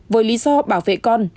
với lý do bảo vệ con